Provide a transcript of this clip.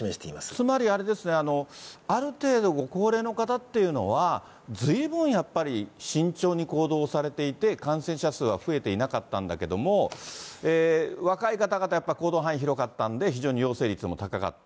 つまり、ある程度、ご高齢の方というのは、ずいぶんやっぱり、慎重に行動されていて、感染者数は増えていなかったんだけども、若い方々、やっぱり行動範囲が広がったので、非常に陽性率も高かった。